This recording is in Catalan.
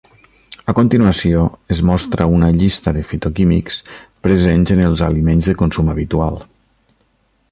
A continuació es mostra una llista de fitoquímics presents en els aliments de consum habitual.